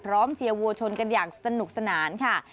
พร้อมเชียวัวชนกันอย่างสนุกสนานค่ะ